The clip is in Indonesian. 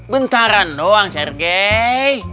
bentaran doang segei